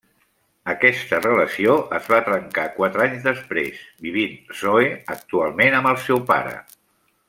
Aquesta relació es va trencar quatre anys després, vivint Zoe actualment amb el seu pare.